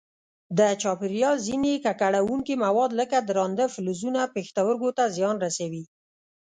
د چاپېریال ځیني ککړونکي مواد لکه درانده فلزونه پښتورګو ته زیان رسوي.